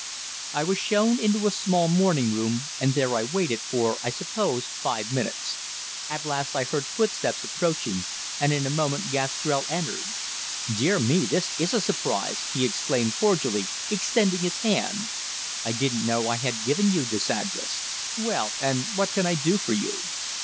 I was shown into a small morning room, and there I waited for, I suppose, five minutes. At last I heard footsteps approaching, and in a moment Gastrell entered. "Dear me, this is a surprise," he exclaimed cordially, extending his hand. "I didn't know I had given you this address. Well, and what can I do for you?"